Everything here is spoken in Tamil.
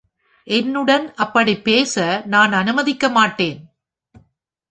என்னுடன் அப்படி பேச நான் அனுமதிக்க மாட்டேன்!